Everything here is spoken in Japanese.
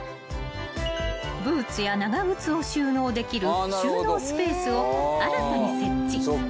［ブーツや長靴を収納できる収納スペースを新たに設置］